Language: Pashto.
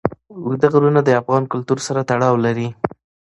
اوږده غرونه د افغان کلتور سره تړاو لري.